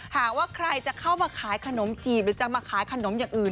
หากว่าใครจะเข้ามาขายขนมจีบหรือจะมาขายขนมอย่างอื่น